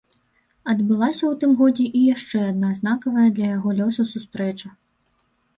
Адбылася ў тым годзе і яшчэ адна знакавая для яго лёсу сустрэча.